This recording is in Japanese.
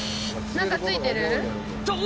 何かついてる？と！